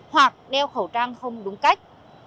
hoặc đeo khẩu trang không đúng cách